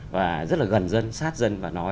và rất là gần dân sát dân và nói